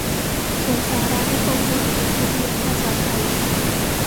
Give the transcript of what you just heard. เขียนสารานุกรมวิกิพีเดียภาษาไทย